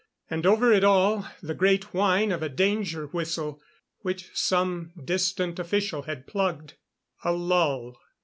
And over it all, the great whine of a danger whistle, which some distant official had plugged.... A lull.